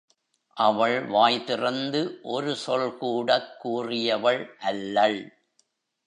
அவள் வாய் திறந்து ஒரு சொல்கூடக் கூறியவள் அல்லள்.